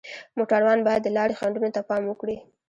موټروان باید د لارې خنډونو ته پام وکړي.